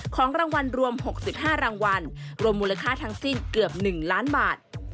ของรางวัลรวม๖๕รางวัลรวมมูลค่าทั้งสิ้นเกือบ๑ล้านบาท